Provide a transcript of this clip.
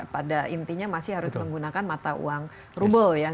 pada intinya masih harus menggunakan mata uang ruble